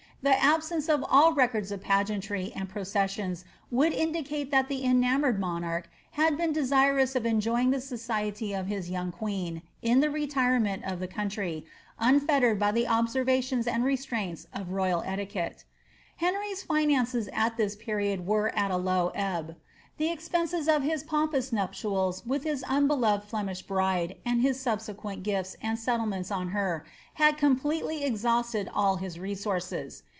The absence of ail records of pageantry and processions would indicate that the en amoured monarch had been desirous of enjoying the society of his youn^ queen, in the retirement of the country, unfettered by the observations and restraints of royal etiquette. nenr}''s finances at this period were at a low ebb. The expenses of his pompous nuptials with his unbe loved Flemish bride, and his subsequent gifts and settlements on her, had completely exhausted all his resources.